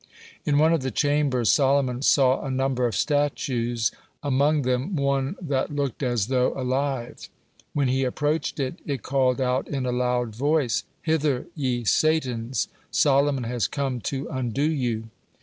(78) In one of the chambers, Solomon saw a number of statues, among them one that looked as though alive. When he approached it, it called out in a loud voice: "Hither, ye satans, Solomon has come to undo you."